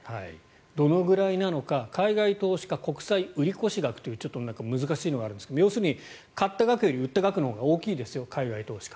どのぐらいなのか海外投資家国債売り越し額というちょっと難しいものがあるんですが買った額より売った額のほうが多いんですよ、海外投資家は。